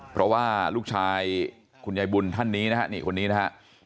เพราะว่าลูกชายคุณยายบุญท่านนี้นะฮะนี่คนนี้นะฮะ